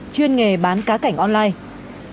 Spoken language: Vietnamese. chuyên nghề bán cá cảnh online